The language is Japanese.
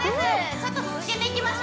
ちょっと続けていきましょ